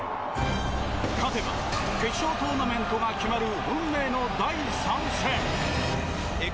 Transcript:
勝てば決勝トーナメントが決まる運命の第３戦。